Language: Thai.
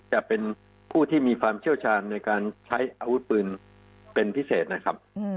จะเป็นผู้ที่มีความเชี่ยวชาญในการใช้อาวุธปืนเป็นพิเศษนะครับ